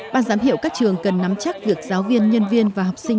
ban giám hiệu các trường cần nắm chắc việc giáo viên nhân viên và học sinh